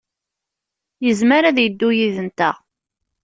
Yezmer ad yeddu yid-nteɣ.